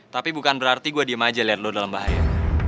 tapi bukan berarti gue diem aja lihat lo dalam bahaya